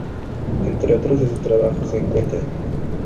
Entre otros de sus trabajos se encuentran